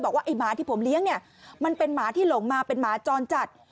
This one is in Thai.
บอกว่าไอ้หมาที่ผมเลี้ยงมันเป็นหมาที่หลงมาเป็นหมาจรจัด